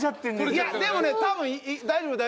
いやでもね多分大丈夫大丈夫。